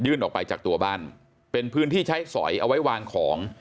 ออกไปจากตัวบ้านเป็นพื้นที่ใช้สอยเอาไว้วางของ